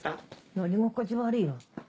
乗り心地悪いわ。